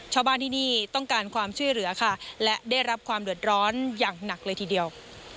ชาวบ้านที่นี่ต้องการความช่วยเหลือค่ะและได้รับความเดือดร้อนอย่างหนักเลยทีเดียว